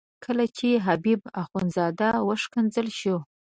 کله چې حبیب اخندزاده وښکنځل شو.